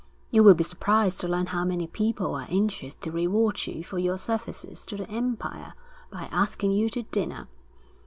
You will be surprised to learn how many people are anxious to reward you for your services to the empire by asking you to dinner.